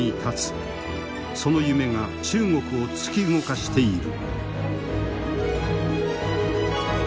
その夢が中国を突き動かしている。